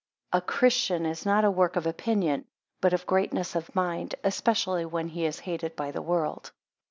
14 A christian is not a work of opinion; but of greatness of mind, especially when he is hated by the world.